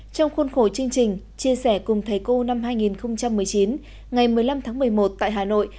trong khuôn khổ chương trình chia sẻ cùng thầy cô năm hai nghìn một mươi chín ngày một mươi năm tháng một mươi một tại hà nội